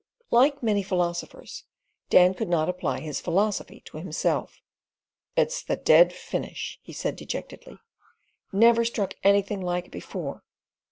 Like many philosophers, Dan could not apply his philosophy to himself. "It's the dead finish," he said dejectedly; "never struck anything like it before.